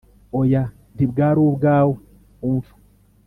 oya ntibwari ubwawe umva